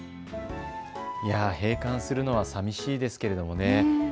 閉館するのはさみしいですけれどもね。